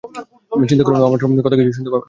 চিন্তা করো না, ও আমার কথা কিছুই শুনতে পাবে না।